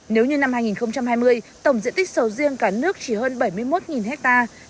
nếu như năm hai nghìn hai mươi tổng diện tích sầu riêng cả nước chỉ hơn bảy mươi một hectare